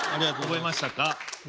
覚えましたか？